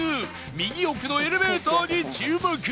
右奥のエレベーターに注目